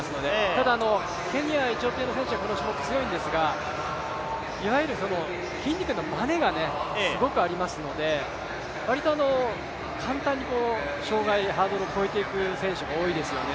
ただ、ケニア、エチオピアの選手はこの種目は強いんですが、いわゆる筋肉のバネがすごくありますので、割と簡単に障害、ハードルを越えていく選手が多いですよね。